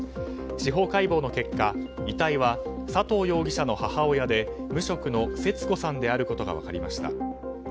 司法解剖の結果遺体は佐藤容疑者の母親で無職の節子さんであることが分かりました。